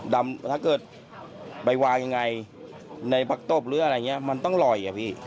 ถ้าเกิดไปวางยังไงในผักตบหรืออะไรอย่างนี้มันต้องลอยอะพี่